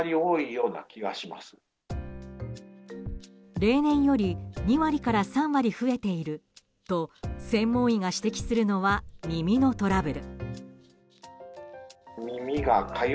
例年より２割から３割増えていると専門医が指摘するのは耳のトラブル。